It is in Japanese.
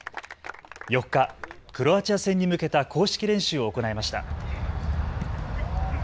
４日、クロアチア戦に向けた公式練習を行いました。